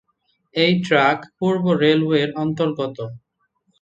এই ট্র্যাক পূর্ব রেলওয়ের অন্তর্গত।